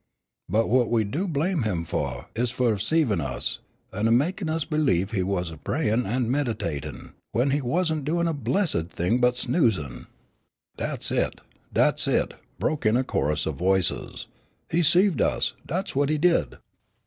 But what we do blame him fu' is fu' 'ceivin' us, an' mekin' us believe he was prayin' an' meditatin', w'en he wasn' doin' a blessed thing but snoozin'." "Dat's it, dat's it," broke in a chorus of voices. "He 'ceived us, dat's what he did."